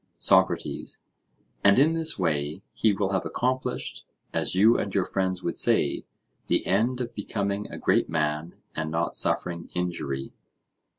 SOCRATES: And in this way he will have accomplished, as you and your friends would say, the end of becoming a great man and not suffering injury?